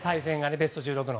ベスト１６の。